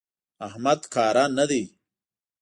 احمد کاره نه دی.